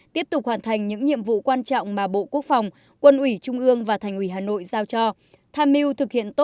tiếp tục hoàn thành những nhiệm vụ quan trọng mà bộ quốc phòng quân ủy trung ương và thành ủy hà nội giao cho